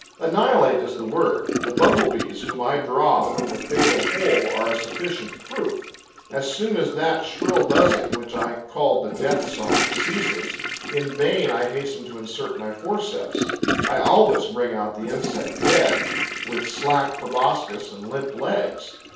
Annihilate is the word: the Bumble bees whom I draw from the fatal hole are a sufficient proof. As soon as that shrill buzzing, which I called the death song, ceases, in vain I hasten to insert my forceps: I always bring out the insect dead, with slack proboscis and limp legs.